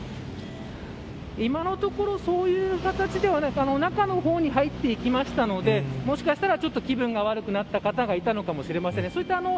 今のところそういう形ではなく中の方に入っていったのでもしかしたら、ちょっと気分が悪くなった方がいたのかもしれません。